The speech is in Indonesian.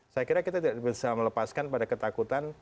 saya kira kita tidak bisa melepaskan pada ketakutan